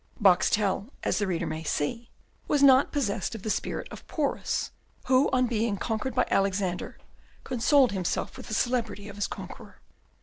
Boxtel, as the reader may see, was not possessed of the spirit of Porus, who, on being conquered by Alexander, consoled himself with the celebrity of his conqueror.